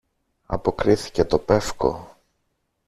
αποκρίθηκε το πεύκο.